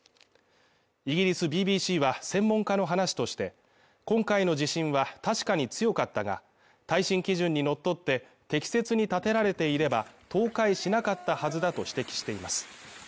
イギリスＢＢＣは専門家の話として今回の地震は確かに強かったが耐震基準にのっとって適切に建てられていれば倒壊しなかったはずだと指摘しています